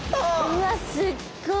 うわすっごい！